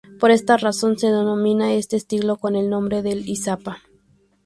Por esta razón se denomina a este estilo con el nombre del Izapa.